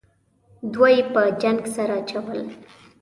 دوه یې په جنگ سره اچول.